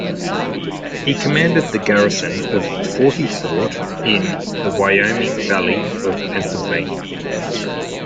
He commanded the garrison of Forty Fort in the Wyoming Valley of Pennsylvania.